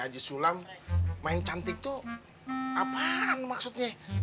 haji sulam main cantik tuh apaan maksudnya